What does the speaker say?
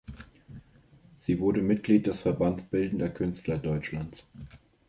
Sie wurde Mitglied des Verbands Bildender Künstler Deutschlands.